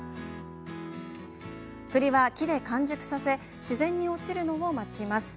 栗は木で完熟させ自然に落ちるのを待ちます。